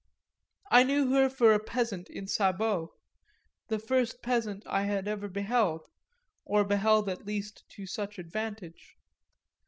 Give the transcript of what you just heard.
I knew her for a peasant in sabots the first peasant I had ever beheld, or beheld at least to such advantage.